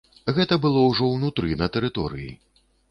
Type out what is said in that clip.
Гэта было ўжо ўнутры, на тэрыторыі.